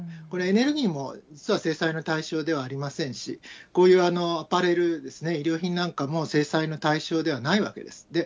これ、エネルギーも、実は制裁の対象ではありませんし、こういうアパレル、衣料品なんかも制裁の対象ではないわけです。